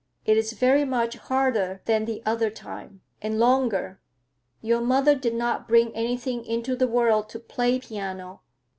It is very much harder than the other time, and longer. Your mother did not bring anything into the world to play piano.